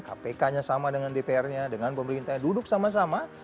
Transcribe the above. kpk nya sama dengan dpr nya dengan pemerintahnya duduk sama sama